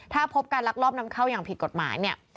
ถ้าพบการลักลอบนำเข้าอย่างผิดกฎหมายเนี่ย